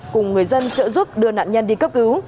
cùng người dân trợ giúp đưa nạn nhân đi cấp cứu